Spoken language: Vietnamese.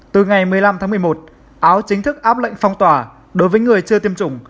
từ ngày một mươi năm tháng một mươi một áo chính thức áp lệnh phong tỏa đối với người chưa tiêm chủng